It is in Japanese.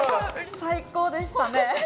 最高でしたね。